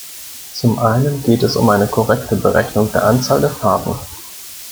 Zum einen geht es um eine korrekte Berechnung der Anzahl der Fahrten.